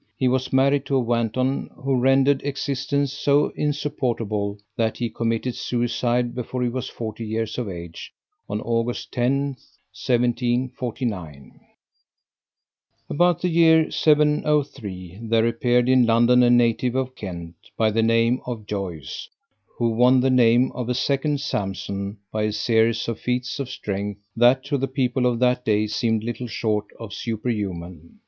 He was married to a wanton who rendered existence so insupportable that he committed suicide before he was forty years of age, on August 10th, 1749. About the year 1703 there appeared in London a native of Kent, by the name of Joyce, who won the name of a second Samson by a series of feats of strength that to the people of that day seemed little short of superhuman.